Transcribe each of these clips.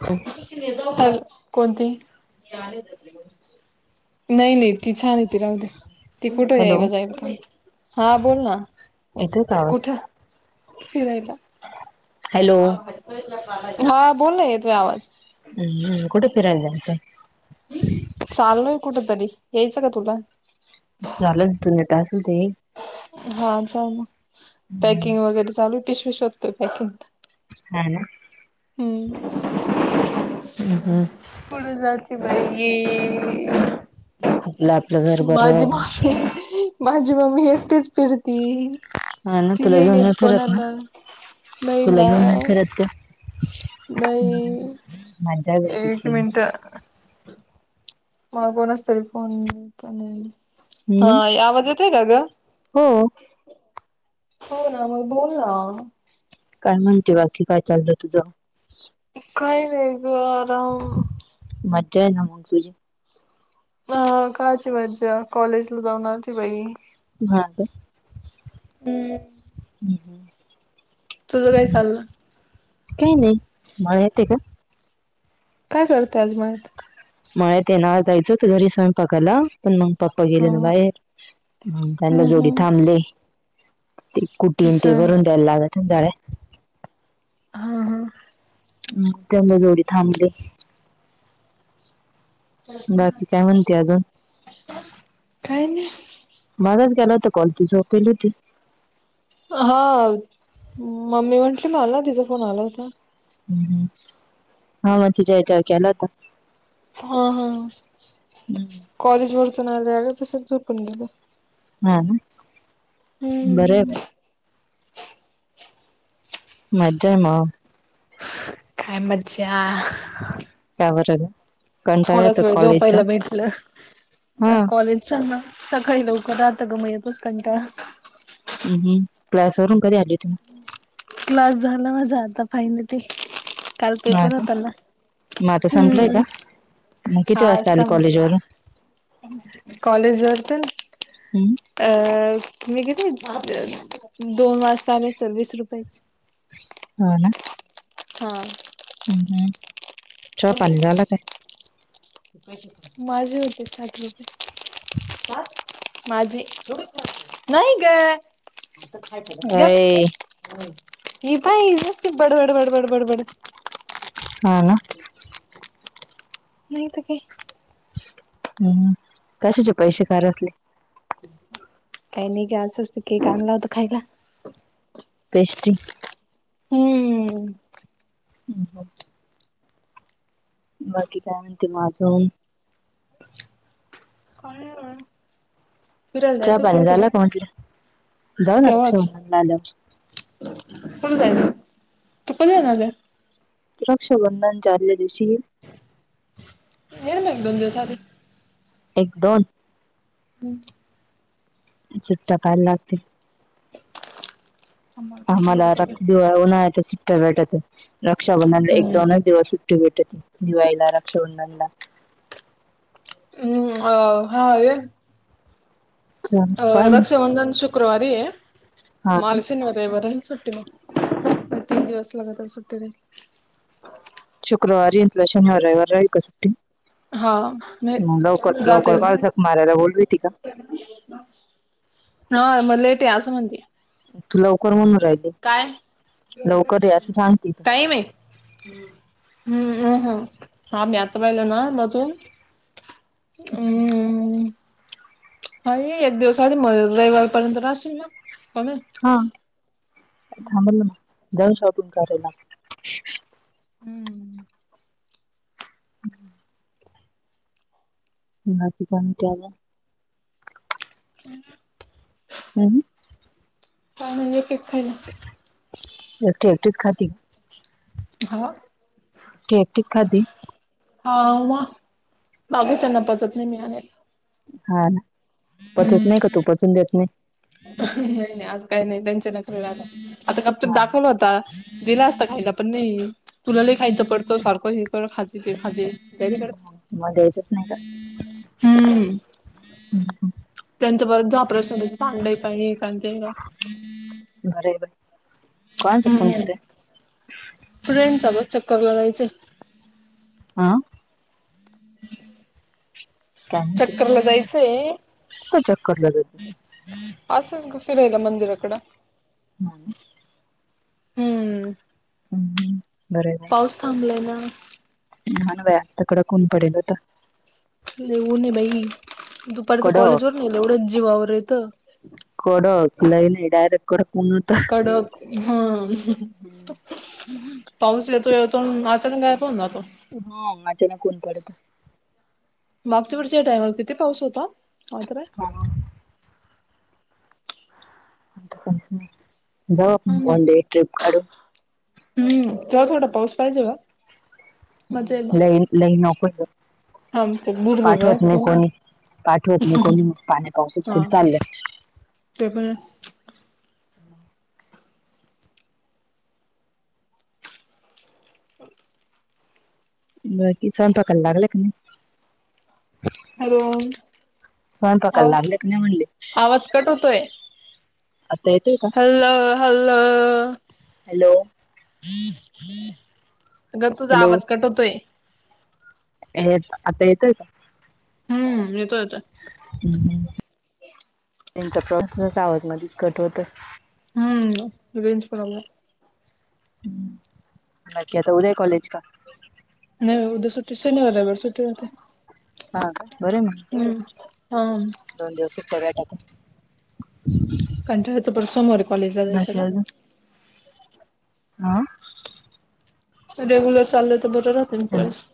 होय हल कोणतीही. नाही नाही ती छान आहे. ती राहू द्या. ती कुठे हॅलो यायला जायला राहील. हां बोल ना येतोय का आवाज? कुठं फिरायला? हॅलो. हां बोल ना येतोय आवाज कुठं फिरायला जातायसा? चाललोय कुठ तरी. यायचं का तुला? चाललं [unintelligible] हां चाल हम्म पॅकिंग वगैरे चालू पिशवी शोधतोय पॅकिंग [unintelligible] [unintelligible] हं हं पळुन जाईल जे बाहिे आपलं आपलं घर माझी बरं. माफी. माझी मम्मी एकटीच फिरती. मला ना ती तुला नाही घेऊन नेत फिरत नाय कोणाला नाही तुला ना घेऊन नाही फिरत ते मज्जा व्हय तुमची तर मग कोणच तरी फोन हम्म हां आवाज येतोय का ग? हो हो ना मग बोल ना. काय म्हणते बाकी काय चाललंय तुझं? काही नाही ग,, आराम. मज्जा आहे ना म तुझी. ह, कायची मज्जा, कॉलेजला जाऊण आलती बाई. हा, तेऽ [unintelligible] [unintelligible] तुझं काय चाललय? काही नाही. मला येतय का? काय करतायत मगं मळ्या ते ना जायचं तर घरी स्वयंपाकाला पण मग पप्पा गेले ना हम्म बाहेर त्यांना जोडी हम्म थांबले ते कुटी अच्छा ते भरून द्यायला लागत्यां जाडे हां हां त्यांना जोडी थांबते बाकी काय म्हणते अजून काही नाय मागच गेला होता कॉल तू झोपेली होती. अं, हा,, मम्मी म्हटली माला,, तिचा फोन आला होता. हम्,, हम,, हा म तिच्या यच्याव केला होता. हं, हं, कॉलेज वरतून आलं अ आल्या ग तसच झोपून गेलो. हाना,, बरय हम्म बाई मज्जा मऽ काय मज्जाऽऽ का बर गं? थोडाच वेळ झोपायला भेटलं,,, हा कॉलेजऽ चल ना,, सकाळी लवकर राहत ग,, म येतोच कंटाळा ऽ हम्म, हमम, क्लास वरून कधी आली होती? क्लास झाला माझा आता फायनली. काल मग हा पेपर का होताना.. मग आता संपलंय का हम्म,, मग किती आज वाजता आली संपला. कॉलेजवरून कॉलेज वर चलऽ हम्म, अ,, मी किती दोन वाजता आले,,, सविस रुपयाज्ञऽ हो ना. हां, हम्म, हम्, माझे होते साठले. माझे,,,, एवढेच,,, नाही ग. गप अय हिज आसतय बाय बडबड बडबड बडबड. हा ना. नाही त काय. हम्म,, कशाचे पैसे घरातले. काही नाही ग,, असच ते केक आणला होता खायला. पेस्ट्री. हम्म, हो,, बाकी काय म्हणते म अजून? बाहेर हाय. चहा पानी झाल का म्हटलं,, जाऊ ना रक्षाबंधनला आल्यावर. कोण जायल, तू कोण जानारय ऽ रक्षा बंधन च्या आदल्या दिवशी. ईल मग एक दोन दिवस आधी. एक दोन हम्म, चुट्टा पायला लागते. आम्हाला [unintelligible] सुट्ट्या भेटत रक्षाबंधन एक हम्म दोनच दिवस भेट दिवाळीला, रक्षाबंधनला, हम्,, अ,, हाय,, चल अ, पाहिलं रक्षा बंधन शुक्रवारी य,, हा का माला शनिवार रविवार सुट्टी नाही. तीन दिवस लागत सुट्टीनऽ शुक्रवारी, शनिवार रविवार एकच. हा नाही मग लवकर, जाते लवकर मी का झग मारायला बोलवली होती क? हो,, मग लेट आहे, अस असं म्हणकि. तू लवकर म्हणून राहिली. काय? लवकर ये असं सांगते तू काही माहित. हम्म, हम्म, हम् हा मी आत पाहिल ना म तूनऽ हम्म. हा ये एक दिवसात म रविवारी पर्यंत राहशील ना कमी हा थांब ना जाऊ शॉपिंग करायला. हम्म. हम्म. बाकी कोण त्यालं [unintelligible] हम्म. काय म्हणजे केक खायल्या. एकटी एकटीच खाती. हा. ती एकटीच खाती. हा वा बागे त्यांना पचत नाही मी आले. हा पचत नाही का तू पचून देत नाही? नाही नाही आज काही नाही त्यांचे नखरे [unintelligible] आता काप तूर हा ना दाखवला होता. दिला असता खायला पण नाही तुला लई खायचं पडतं सारखं हे कर खाते ते खाते. त्याज्याकडच. तुम्हाला द्यायचंच नाही का हम्म त्यांचं परत जा आप्रशन पांड आहे का आहे का ते. बर आहे बाई, कोणाचा फोन येतोय. फ्रेंड्स बग चक्करायच. हं काय म्हणते चक्क करायलाला जायचंय. तो चक्करला जाते असच ग फिरायला मंदिराकडं. [unintelligible] हम्म हम्म बरं आहे. थांबलाय ना. [unintelligible] असस्तकडं कोन पडेल होत. लई ऊणे बाई दुपारीच कडक कॉलेजवर नाही एवढंच जीवावर येतं. कडक लई नाही डायरेक्त्त कडक ऊन हुत. कडक हं हम्म. पाऊस येतो येतो म्हणून आचानक गायप होऊन जातो. हा अचानक ऊन पडत. मागच्या वर्षी या टाइमाला किती पाऊस होता. [unintelligible] हा. आता काहीच नाह, जाऊ हा आपण ना वन डे ट्रिप काडू. हम्म तेव्हा थोडा पाऊस पाहिजे गं. हम्म लई, लई नको गं. हा ते बुरबुर पाठवत आहे नाही कोणी, पाठवत नाही कोणी मग पाण्या पाऊसच हा होऊन चाललं. ते पण ये. हो बाकी स्वयंपाकला लागल कनी. हॉल स्वयंपाकाला आवाज, लागले का नाही म्हणले आवाज कट होतोय. आता येतोय का? हल्ल हल्ल हॅलो अ ग तुझा हॅलो आवाज कट होतोय. येत आता येतोय का? हम्म. येतो येतोय. हम्म, त्यांचा [unintelligible] आवाज मधीच कट होतोय. हम्म, रेंज [unintelligible] आ कता उदय कॉलेज का नाही बदे सुटी शनिवार बर सुटी होते हा बर मग हा दोन दिवस सुटत भेटात कंटाळच पर सोमोरे कॉलेजला जाय त्याला हं रेग्युलर चाललंय तर बरं राहते हॅलो पळेस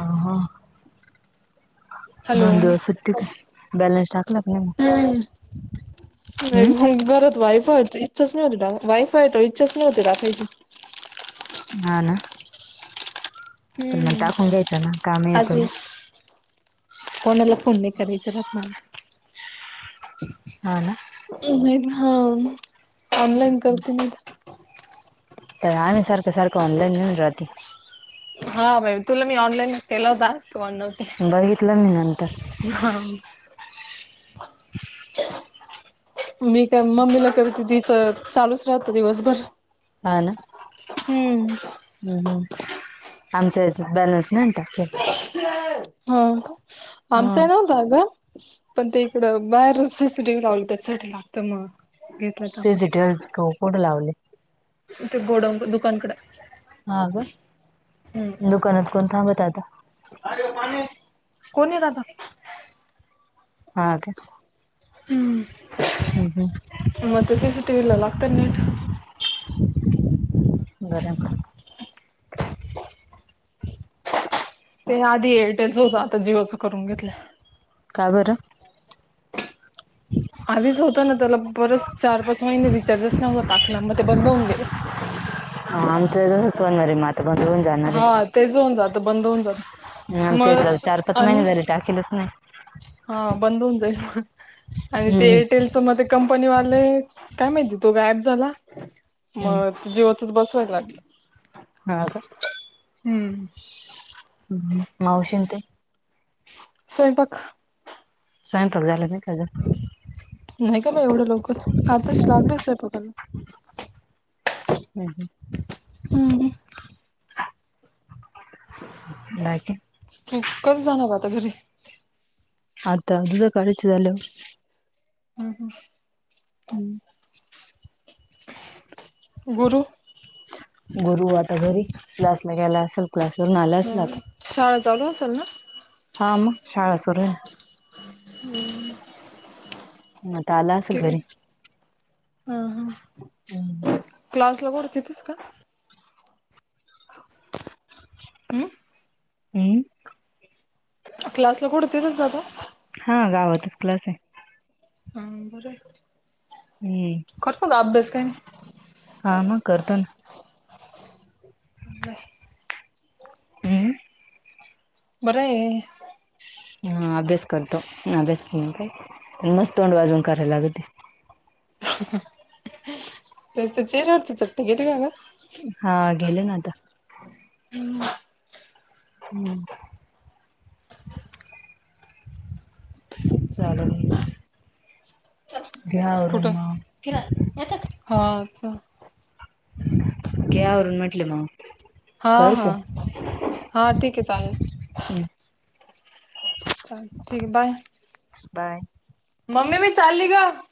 अ ह. हॅलो दोन दिवस सुट्टीत बॅलेन्स टाकलं आप मग. [inaudible] हम्म? [inaudible] घरत वायफाय इच्छाच नाही होती, वायफाय तर इच्छाच नाही होती टाकायची. [unintelligible] हा ना, [unintelligible] [inaudible] पण मग हम्म टाकून घ्यायचं ना काम येतो आजही ना. कोणाला फोन नाही करायचं राहत मला, [inaudible] हा ना, नाही हा [inaudible] ऑनलाईन करतन. तर आमहीारखं सारखं ऑनलाईन येेऊन राहते. हा भा तुला मी ऑनलाईनच केला होता तू म्हणव्हते. बघितलं मी नंतर. हा. [inaudible] [unintelligible] मी का मम्मीला करते तिच चालूच राहत दिवसभर. हा ना, [inaudible] हम्म हम् हम् [inaudible] आमचा याच बॅलन्स नाही ट. [unintelligible] हा आमचं आहे हम्म ना बा ग पण ते इकडं बाहेर सि लावलं त्यासाठी लागतं मग. घेतलं तर सी आपण सीटीव कुठं लावले. ते बोड दुकानकडें. हा ग [inaudible] दुकानात कोण थांबत आता. कोण य राता ह का. हम्म हम्म, हम्म. [inaudible] म सी सी टी वला लागतन [unintelligible] बर ते आधी एअरटेलचं होतं आता जिओचं करून घेतलं. का बर, आधीच होतं ना त्याला बरस चार पाच महिने रिचार्जस नव्हता टाकला मग ते बंद होऊन गेलं. हा [unintelligible] आमचा सोन मारी मात बंद. जाणार हा आहे तेच होऊन जात बंद होऊन जात [inaudible] मग आणि काय केलंच नाय, हा बंद हून जाईल मग [inaudible] आणि ते हम्म, एअरटेलचं मध्ये कंपनीवाले काय माहिती तो गायब झाला हम्म. मग ज्योत बसवायला लागलं, हा का हम्म. [inaudible] मावशी ते. [inaudible] स्वैपाक. स्वयंपाक झालं म त्याच नाही का बा एवढं लवकर आताच लागलेचय बघाला [unintelligible] हम् ह. ह. [inaudible] बाकी. तू कध जाणार आता घरी. आता अ तर कळचतलो, हम् हं. हम्म. गुरु गुरु आता घरी क्लासला ग्यायला असेल क्लास वून आला असेल हम्म आता शाळा चालू असेल ना. हा मग शाळा सुरू हाय. [unintelligible] म आता आला असल कि घरी हा हम हम्म क्लासला कुठं तिथंच का हम् हम् क्लासला कुठं तिथंच जाता हा गावातच क्लासाय हा बरं हम्म करतो का अभ्यास काय हा मग करतो ना [inaudible] हम्म बरंय हम अभ्यास करतो अभ्यास मस्त तोंड वाजवून करायला लागते. तेसत चेहऱ्यावरवरचं चपट घले का ग हा गेले ना आता हम्म चालू चला कुठं मग फिरायला येत हा च घे आवरून म्हटलं मग हा करू हा हा ठिक्ये चालल हम् चालतंय घे बाय बाय मम्मी मी चालली ग